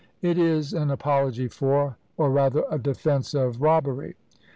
It is an apology for, or rather a defence of, robbery!